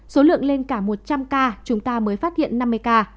số lượng lên cả một trăm linh ca chúng ta mới phát hiện năm mươi ca